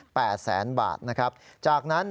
นายยกรัฐมนตรีพบกับทัพนักกีฬาที่กลับมาจากโอลิมปิก๒๐๑๖